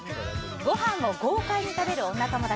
ご飯を豪快に食べる女友達。